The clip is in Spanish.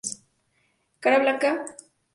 Cara blanca, parche auricular y faja malar, negros.